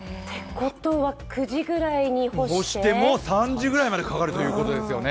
９時ぐらいに干しても３時ぐらいまでかかるということですよね。